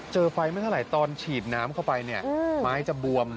เจอไฟไม่เท่าไหร่ตอนฉีดน้ำเข้าไปเนี่ยไม้จะบวม